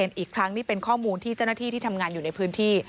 อีกครั้งนี่เป็นข้อมูลที่เจ้าหน้าที่ที่ทำงานอยู่ในพื้นที่